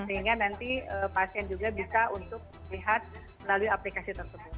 sehingga nanti pasien juga bisa untuk melihat melalui aplikasi tersebut